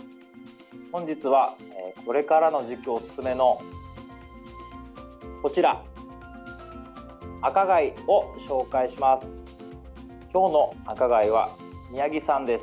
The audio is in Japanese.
本日はこれからの時期おすすめのこちら赤貝を紹介します。